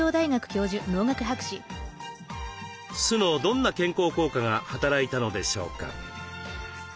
酢のどんな健康効果が働いたのでしょうか？